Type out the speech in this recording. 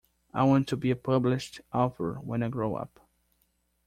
I want to be a published author when I grow up.